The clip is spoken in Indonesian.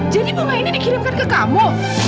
jadi bunga ini dikirimkan ke kamu